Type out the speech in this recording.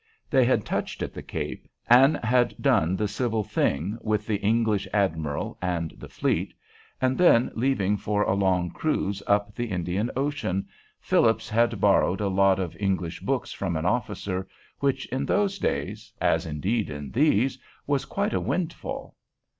They had touched at the Cape, and had done the civil thing with the English Admiral and the fleet, and then, leaving for a long cruise up the Indian Ocean, Phillips had borrowed a lot of English books from an officer, which, in those days, as indeed in these, was quite a windfall.